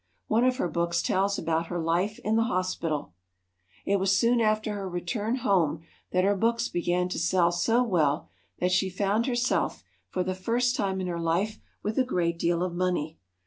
One of her books tells about her life in the hospital. It was soon after her return home that her books began to sell so well that she found herself, for the first time in her life, with a great deal of money.